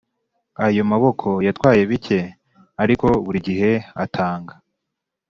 ayo maboko yatwaye bike ariko buri gihe atanga,